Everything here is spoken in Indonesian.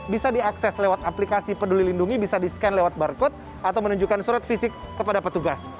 bisa diakses lewat aplikasi peduli lindungi bisa di scan lewat barcode atau menunjukkan surat fisik kepada petugas